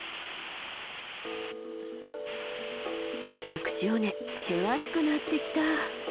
薬師尾根険しくなってきた。